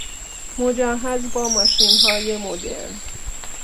مجهز با ماشین های مدرن